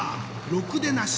「ろくでなし」。